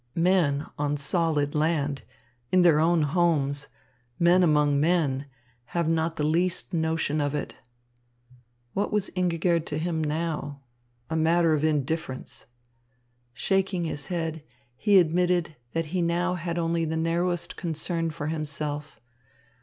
Men on solid land, in their own homes, men among men, have not the least notion of it." What was Ingigerd to him now? A matter of indifference. Shaking his head, he admitted that he now had only the narrowest concern for himself.